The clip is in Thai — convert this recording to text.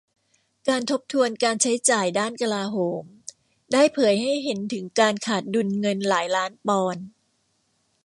การทบทวนการใช้จ่ายด้านกลาโหมได้เผยให้เห็นถึงการขาดดุลเงินหลายล้านปอนด์